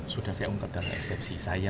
sudah saya ungkap dalam eksepsi saya